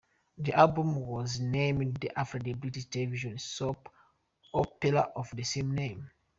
The album was named after the British television soap opera of the same name.